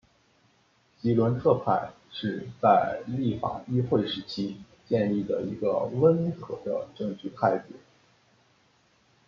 吉伦特派是在立法议会时期建立的一个温和的政治派别。